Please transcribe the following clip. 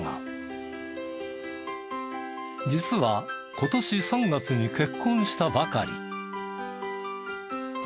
実は今年３月に結婚したばかり。